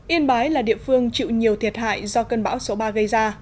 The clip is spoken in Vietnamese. yên bái là địa phương chịu nhiều thiệt hại do cơn bão số ba gây ra